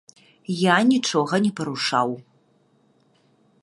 Я нічога не парушаў.